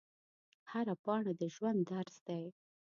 هره پاڼه د ژوند درس دی